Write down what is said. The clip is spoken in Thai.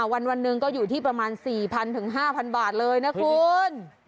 วันหนึ่งก็อยู่ที่ประมาณ๔๐๐๕๐๐บาทเลยนะคุณ